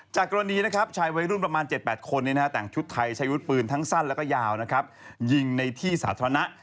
จากกรณีใช้วัยรุ่นประมาณ๗๘คนแต่งชุดไทยใช้ยุทธปืนทั้งสั้นและยาวยิงในที่สาธารณะ